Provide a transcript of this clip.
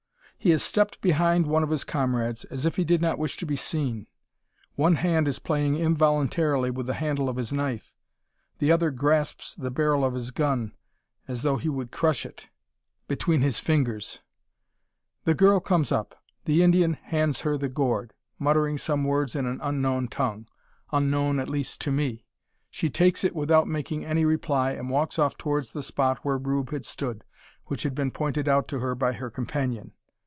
He has stepped behind one of his comrades, as if he did not wish to be seen. One hand is playing involuntarily with the handle of his knife. The other grasps the barrel of his gun, as though he would crush it between his fingers! The girl comes up. The Indian hands her the gourd, muttering some words in an unknown tongue unknown, at least, to me. She takes it without making any reply, and walks off towards the spot where Rube had stood, which has been pointed out to her by her companion.